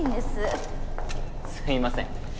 すいません。